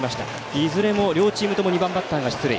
いずれも両チームともに２番バッターが出塁。